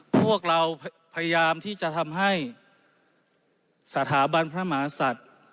พวกเราพยายามที่จะทำให้สถาบันพระมหาศัตริย์